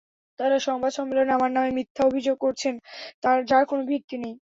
তাঁরা সংবাদ সম্মেলনে আমার নামে মিথ্যা অভিযোগ করছেন, যার কোনো ভিত্তি নেই।